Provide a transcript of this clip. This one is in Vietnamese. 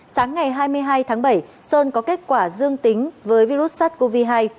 sáng ngày hai mươi hai tháng bảy sơn có kết quả dương tính với virus sars cov hai